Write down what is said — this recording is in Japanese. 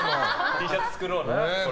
Ｔシャツ作ろうな。